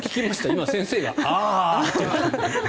今、先生が、ああって。